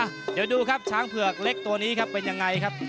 เดี๋ยวดูครับช้างเผือกเล็กตัวนี้ครับเป็นยังไงครับ